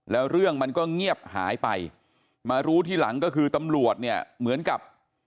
แล้วเรื่องมันก็เงียบหายไปมารู้ทีหลังก็คือตำรวจเนี่ยเหมือนกับ